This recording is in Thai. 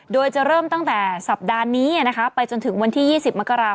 โดยจะเริ่มตั้งแต่สัปดาห์นี้ไปจนถึงวันที่๒๐มกราศ